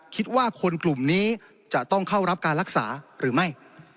คิดว่าคนกลุ่มนี้จะต้องเข้ารับการรักษาหรือไม่